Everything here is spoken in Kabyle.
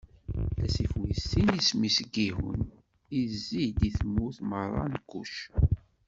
Asif wis sin isem-is Giḥun, izzi-d i tmurt meṛṛa n Kuc.